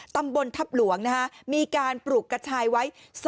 ตำบลทัพหลวงมีการปลูกกระชายไว้